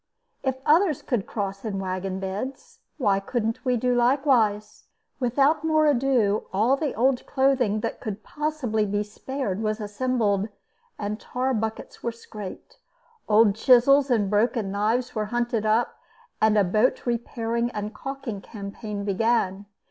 If others could cross in wagon beds, why couldn't we do likewise? Without more ado all the old clothing that could possibly be spared was assembled, and tar buckets were scraped. Old chisels and broken knives were hunted up, and a boat repairing and calking campaign began.